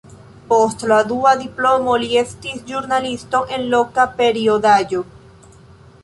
Post la dua diplomo li estis ĵurnalisto en loka periodaĵo.